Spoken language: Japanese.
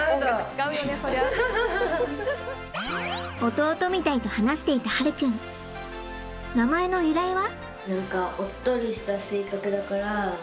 弟みたいと話していた葉琉君名前の由来は？